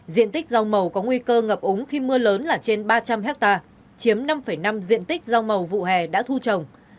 diện tích rau màu có nguy cơ ngập úng khi mưa lớn là trên ba trăm linh hectare chiếm năm năm diện tích rau màu vụ hè đã thu trồng